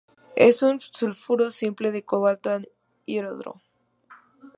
Es un sulfuro simple de cobalto, anhidro.